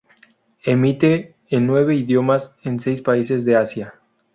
Emite en nueve idiomas en seis países de Asia.